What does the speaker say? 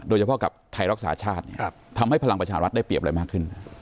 โดยเฉพาะกับไทยรักษาชาติทำให้พลังประชารัฐได้เปรียบอะไรมากขึ้น